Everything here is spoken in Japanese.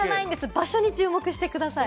場所に注目してください。